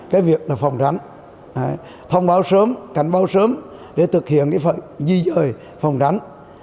cái việc là phòng tránh thông báo sớm cảnh báo sớm để thực hiện cái phần di dời phòng tránh